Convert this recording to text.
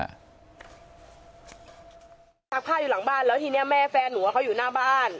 ซักผ้าอยู่หลังบ้านแล้วทีนี้แม่แฟนหนูว่าเขาอยู่หน้าบ้าน